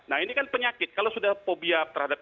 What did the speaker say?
nah ini kan penyakit kalau sudah fobia terhadap